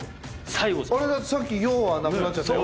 だってさっき「ヨ」はなくなっちゃったよ。